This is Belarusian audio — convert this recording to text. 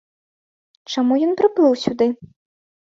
Чаму ён прыплыў сюды?